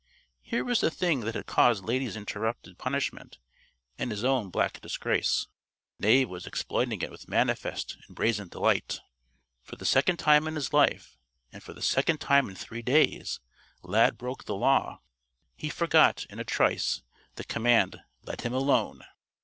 Here was the thing that had caused Lady's interrupted punishment and his own black disgrace. Knave was exploiting it with manifest and brazen delight. For the second time in his life and for the second time in three days Lad broke the law. He forgot, in a trice, the command "Let him alone!"